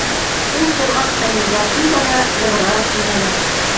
Ул торған һайын ярһый бара, нығыраҡ инәлә.